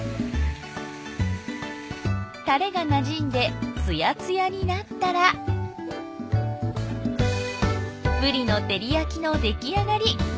タレがなじんでつやつやになったらぶりの照り焼きの出来上がり。